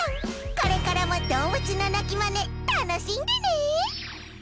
これからもどうぶつのなきマネたのしんでね！